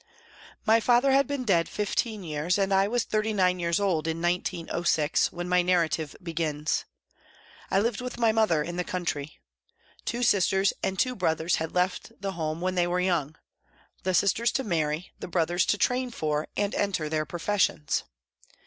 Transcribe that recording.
My father had been dead fifteen years and I was thirty nine years old in 1906, when my narrative begins. I lived with my mother in the country. Two sisters and two brothers had left the home when they were young the sisters to marry, the brothers to train for and enter their professions.